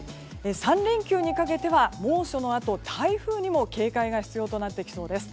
３連休にかけては猛暑のあと台風にも警戒が必要となってきそうです。